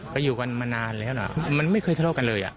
ก็อยู่กันมานานแล้วนะมันไม่เคยทะเลาะกันเลย